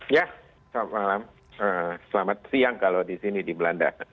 ya selamat malam selamat siang kalau di sini di belanda